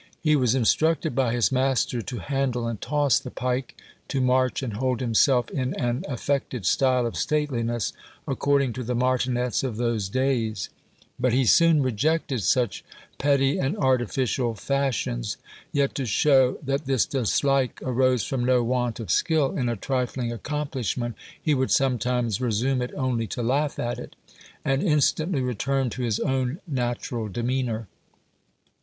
He was instructed by his master to handle and toss the pike, to march and hold himself in an affected style of stateliness, according to the martinets of those days; but he soon rejected such petty and artificial fashions; yet to show that this dislike arose from no want of skill in a trifling accomplishment, he would sometimes resume it only to laugh at it, and instantly return to his own natural demeanour.